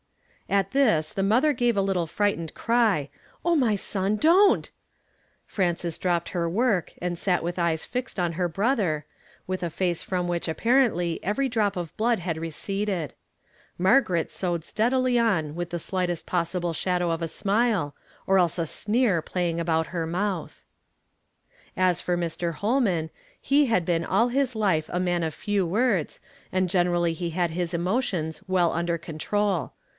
At this the mother gave a little frightened cry, "O my son! Don't! " Frances dropped her work, and sat with eyea fixed on her brother, with a face from which apparently every drop of blood had receded. Margaret sewed steadily on with the slightest possible shadow of a smile, or else a sneer playing about her mouth. As for Mr. liolman, he had been all his lily a 254 YESTERDAY FRAMED IN TO DAY. H;i man of few words, and generally he had his emo tions well under control.